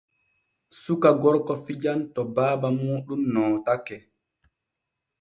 Suka gorko fijan to baaba muuɗum nootake.